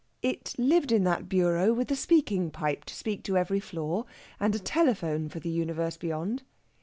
It lived in that bureau with a speaking pipe to speak to every floor, and a telephone for the universe beyond.